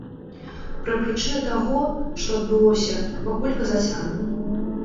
Пра прычыны таго, што адбылося, пакуль казаць рана.